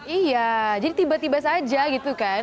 iya jadi tiba tiba saja gitu kan